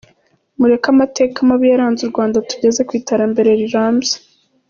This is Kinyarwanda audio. “Mureke amateka mabi yaranze u Rwanda atugeze kw’iterambere rirambye.